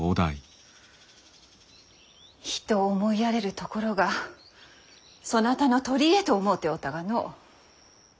人を思いやれるところがそなたの取り柄と思うておったがの。